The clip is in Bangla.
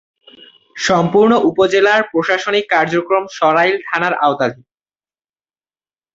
সম্পূর্ণ উপজেলার প্রশাসনিক কার্যক্রম সরাইল থানার আওতাধীন।